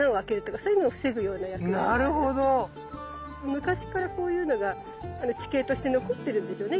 昔からこういうのが地形として残ってるんでしょうね。